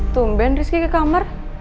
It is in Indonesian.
tumben rizky ke kamar